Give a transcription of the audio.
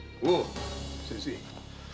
おう先生。